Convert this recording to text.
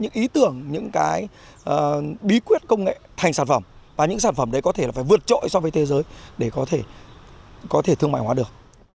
những ý tưởng những cái bí quyết công nghệ thành sản phẩm và những sản phẩm đấy có thể là phải vượt trội so với thế giới để có thể thương mại hóa được